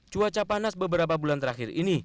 cuaca panas beberapa bulan terakhir ini